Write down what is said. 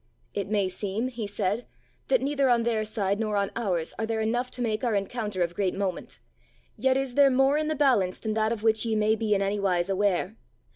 "It may seem," he said, "that neither on their side nor on ours are there enough to make our encounter of great moment, yet is there more in the balance than that of which ye may be in any wise aware.